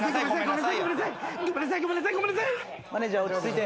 マネージャー落ち着いて。